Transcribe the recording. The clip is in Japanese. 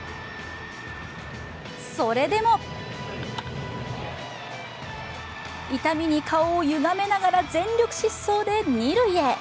それでも痛みに顔をゆがめながら全力疾走で二塁へ。